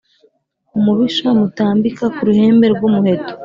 Umubisha mutambika ku ruhembe rw'umuheto